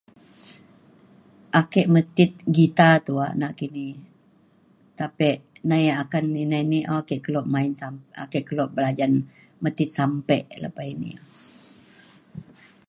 ake metit guitar tuak nakini. tapek na ia’ akan inai ni o ake kelo main sam- ake kelo belajan metit sampe lepa ini.